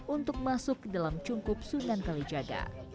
untuk masuk ke dalam cungkup sunan kalijaga